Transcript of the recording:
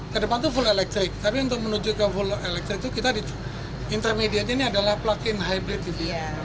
ke depan itu full electric tapi untuk menuju ke full electric itu kita di intermediate ini adalah plug in hybrid